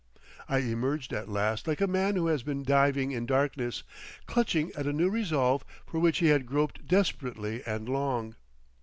I emerged at last like a man who has been diving in darkness, clutching at a new resolve for which he had groped desperately and long.